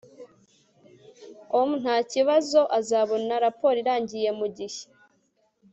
om ntakibazo azabona raporo irangiye mugihe